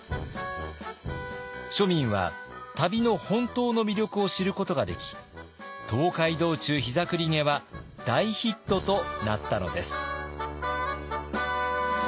庶民は旅の本当の魅力を知ることができ「東海道中膝栗毛」は大ヒットとなったのです。